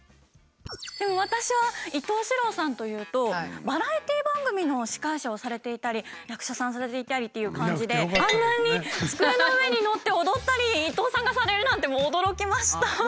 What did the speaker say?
でも私は伊東四朗さんというとバラエティー番組の司会者をされていたり役者さんされていたりっていう感じであんなに机の上に乗って踊ったり伊東さんがされるなんてもう驚きました。